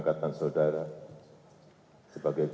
tidak saja masa jabatan